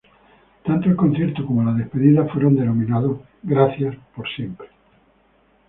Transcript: Tanto el concierto como la despedida fueron denominados Gracias por siempre.